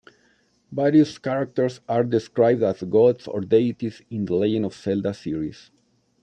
Various characters are described as gods or deities in "The Legend of Zelda" series.